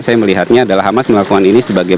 saya melihatnya adalah hamas melakukan ini sebagai